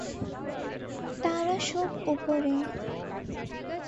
তারা সব উপরে!